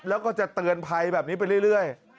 แล้วก็จะเตือนภัยแบบนี้ไปเรื่อย